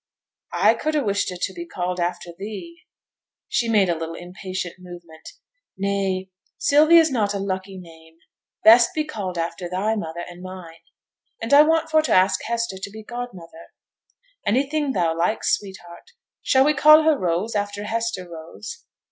'I could ha' wished her to be called after thee.' She made a little impatient movement. 'Nay; Sylvia's not a lucky name. Best be called after thy mother and mine. And I want for to ask Hester to be godmother.' 'Anything thou likes, sweetheart. Shall we call her Rose, after Hester Rose?'